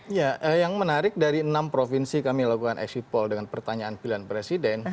ya yang menarik dari enam provinsi kami lakukan exit poll dengan pertanyaan pilihan presiden